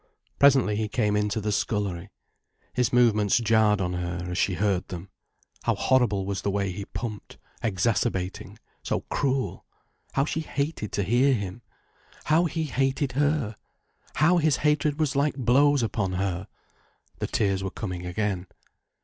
Presently he came into the scullery. His movements jarred on her, as she heard them. How horrible was the way he pumped, exacerbating, so cruel! How she hated to hear him! How he hated her! How his hatred was like blows upon her! The tears were coming again.